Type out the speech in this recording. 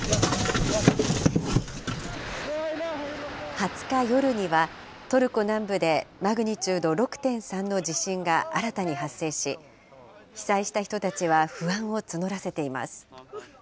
２０日夜には、トルコ南部でマグニチュード６．３の地震が新たに発生し、被災した人たちは、不安を募らせています。